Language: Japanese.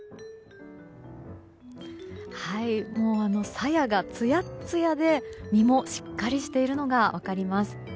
さやがつやっつやで実もしっかりしているのが分かります。